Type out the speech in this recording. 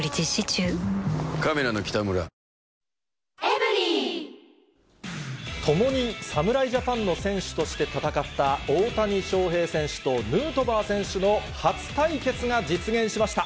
「ビオレ」共に侍ジャパンの選手として戦った、大谷翔平選手とヌートバー選手の初対決が実現しました。